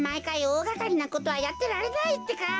おおがかりなことはやってられないってか。